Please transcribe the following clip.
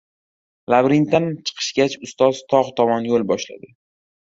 Labirintdan chiqishgach, ustoz togʻ tomon yoʻl boshladi.